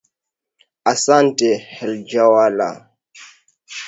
Ahsante hallelujah